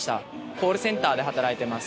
コールセンターで働いてます。